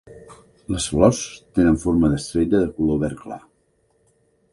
Les flors tenen forma d'estrella de color verd clar.